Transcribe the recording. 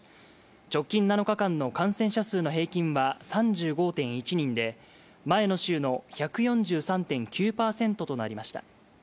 直近７日間の感染者数の平均は３５．１人で前の週の１４３．９％となりました。